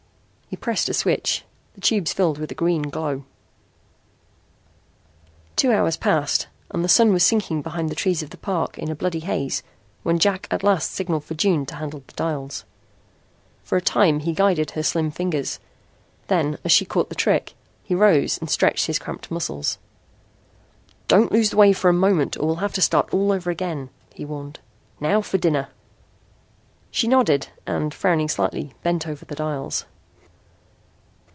He pressed a switch. The tubes filled with a green glow. Two hours passed, and the sun was sinking behind the trees of the park in a bloody haze when Jack at last signaled for June to handle the dials. For a time he guided her slim fingers. Then, as she caught the trick, he rose and stretched his cramped muscles. "Don't lose the wave for a moment or we'll have to start all over again," he warned. "Now for dinner!" She nodded and, frowning slightly, bent over the dials.